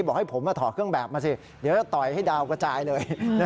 บอกให้ผมมาถอดเครื่องแบบมาสิเดี๋ยวจะต่อยให้ดาวกระจายเลย